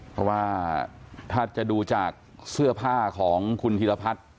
เพราะว่าถ้าจะดูจากเสื้อผ้าของคุณธีรพัฒน์